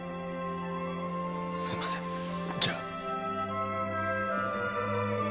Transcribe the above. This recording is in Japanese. すいませんじゃあ。